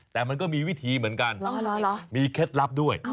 แต่มันก็มีวิธีเหมือนกันมีเคล็ดลับด้วย